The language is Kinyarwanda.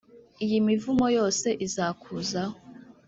iyi mivumo yose izakuzaho